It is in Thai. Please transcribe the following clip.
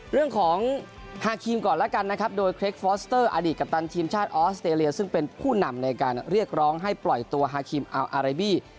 เรื่องของฮาคิมก่อนแล้วกันนะครับโดยเครกฟอสเตอร์อดีตกัปตันทีมชาติออสเตรเลียซึ่งเป็นผู้นำในการเรียกร้องให้ปล่อยตัวฮาคิมอัลอาเรบี้